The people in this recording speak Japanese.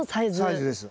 サイズです。